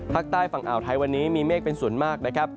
ภาคใต้ฝั่งอ่าวไทยวันนี้มีเมฆเป็นส่วนมากนะครับ